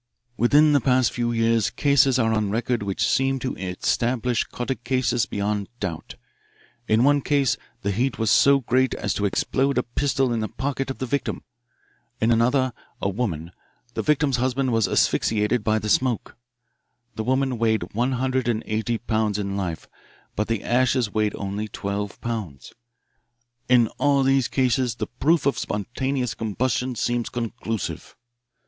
"'Within the past few years cases are on record which seem to establish catacausis beyond doubt. In one case the heat was so great as to explode a pistol in the pocket of the victim. In another, a woman, the victim's husband was asphyxiated by the smoke. The woman weighed, one hundred and eighty pounds in life, but the ashes weighed only twelve pounds: In all these cases the proof of spontaneous combustion seems conclusive.'"